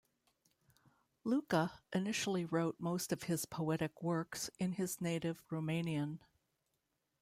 Luca initially wrote most of his poetic works in his native Romanian.